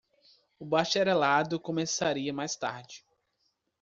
O bacharelado começaria mais tarde.